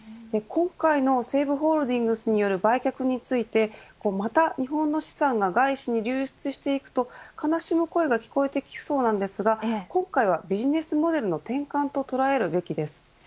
今回の西武ホールディングスによる売却についてまた日本の資産が外資に流出していくと悲しむ声が聞こえてきそうなんですが今回はビジネスモデルの転換と捉えるべきです。